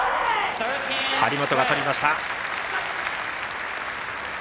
張本が取りました。